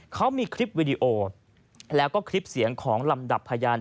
เขามีคลิปวิดีโอแล้วก็คลิปเสียงของลำดับพยาน